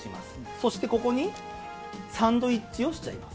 そしてここにサンドイッチをしちゃいます。